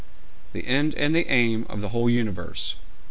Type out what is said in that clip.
'The end and aim of the whole universe.